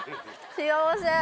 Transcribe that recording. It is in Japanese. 幸せ。